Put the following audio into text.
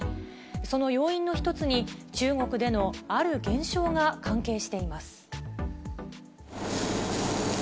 その要因の一つに、中国でのある現象が関係しています。